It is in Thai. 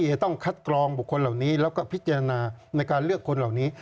จะต้องคัดกรองบุคคลเหล่านี้แล้วก็พิจารณาในการเลือกคนเหล่านี้